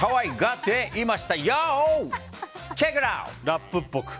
ラップっぽく。